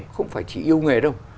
không phải chỉ yêu nghề đâu